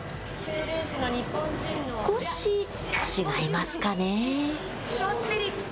少し違いますかね。